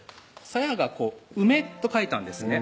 さやが「梅」と書いたんですね